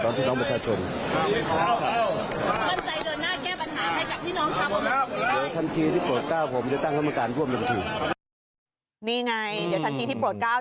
นี่ไงเดี๋ยวทันทีที่โปรดก้าว